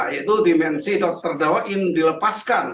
yaitu dimensi terdakwa ingin dilepaskan